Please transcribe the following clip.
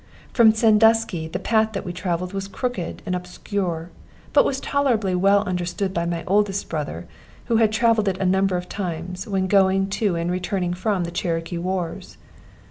From Sandusky the path that we travelled was crooked and obscure; but was tolerably well understood by my oldest brother, who had travelled it a number of times, when going to and returning from the Cherokee wars.